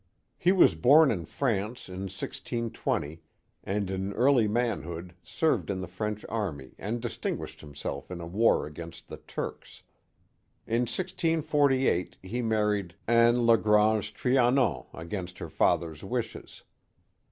He was born in France in 1620, and in early manhood served in the French army and distinguished himself in a war against the Turks. In 1648 he married Anne de LaGrange Trianon against her father's wishes.